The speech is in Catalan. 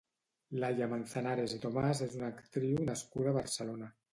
Laia Manzanares i Tomàs és una actriu nascuda a Barcelona.